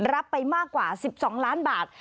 รับไปมากกว่า๑๒ล้านบาท